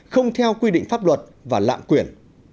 không theo quy định pháp luật và lạng quyển